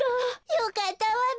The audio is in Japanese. よかったわべ。